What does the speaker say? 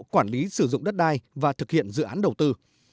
quản lý sử dụng đất đai và thực hiện dự án đầu tư